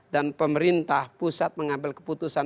dan pemerintah pusat mengambil keputusan